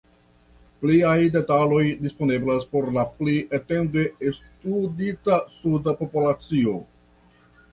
Pliaj detaloj disponeblas por la pli etende studita suda populacio.